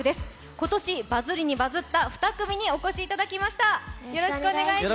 今年バズりにバズった２組にお越しいただきました。